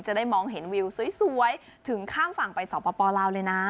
จะได้มองเห็นวิวสวยถึงข้ามฝั่งไปสปลาวเลยนะ